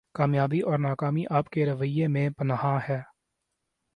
کامیابی اور ناکامی آپ کے رویہ میں پنہاں ہے